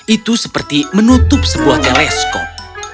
itu seperti menutup sebuah teleskop